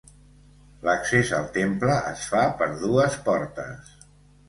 L'accés al temple es fa per dues portes.